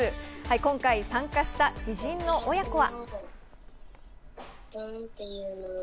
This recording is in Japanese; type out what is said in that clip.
今回、参加した知人の親子は。